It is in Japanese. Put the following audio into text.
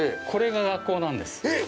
これ、学校なんですか！？